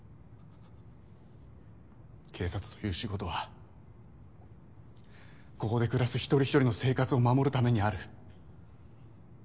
警察という仕事はここで暮らすひとりひとりの生活を守るためにある。